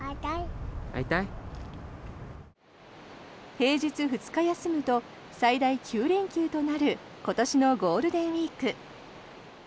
平日２日休むと最大９連休となる今年のゴールデンウィーク。